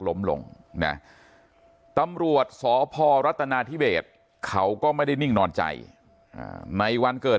ล้มลงนะตำรวจสพรัฐนาธิเบสเขาก็ไม่ได้นิ่งนอนใจในวันเกิด